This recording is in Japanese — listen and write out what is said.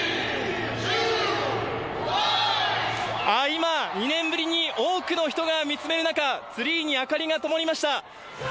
今、２年ぶりに多くの人が見つめる中、ツリーに明かりがともりました。